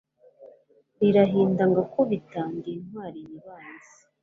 lirahinda ngakubita ndi intwali yibanze